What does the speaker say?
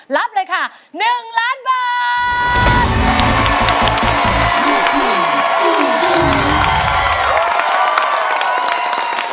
รับเลยค่ะ๑ล้านบาท